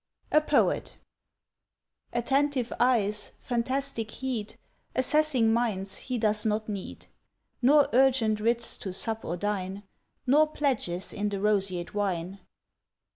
A POET ATTENTIVE eyes, fantastic heed, Assessing minds, he does not need, Nor urgent writs to sup or dine, Nor pledges in the roseate wine.